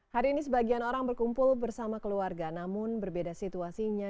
hari ini sebagian orang berkumpul bersama keluarga namun berbeda situasinya